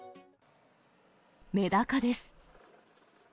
メダカです。